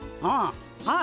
ああ。